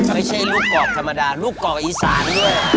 ไม่ใช่ลูกกรอกธรรมดาลูกกรอกอีสานด้วย